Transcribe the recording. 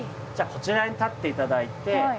じゃあこちらに立って頂いて。